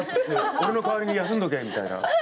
俺の代わりに休んどけ、みたいな。